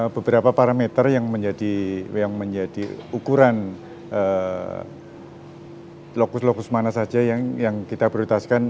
beberapa parameter yang menjadi ukuran lokus lokus mana saja yang kita prioritaskan